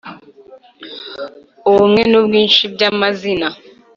Ubumwe n’ubwinshi bya mazina